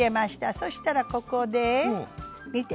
そしたらここで見て。